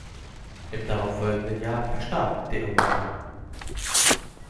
Im darauffolgenden Jahr verstarb de Ovando.